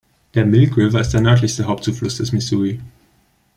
Der "Milk River" ist der nördlichste Hauptzufluss des Missouri.